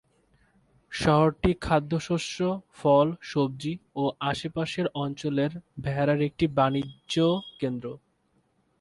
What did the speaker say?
শহরটি খাদ্যশস্য, ফল, সবজি ও আশেপাশের অঞ্চলের ভেড়ার একটি বাণিজ্যকেন্দ্র।